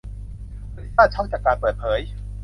เอลิซ่าช็อคจากการเปิดเผย